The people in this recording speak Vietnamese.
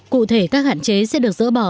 cụ thể các hạn chế sẽ được dỡ bỏ